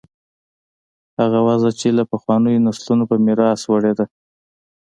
هغه وضع چې له پخوانیو نسلونو په میراث وړې ده.